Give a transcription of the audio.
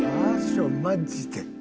マジで。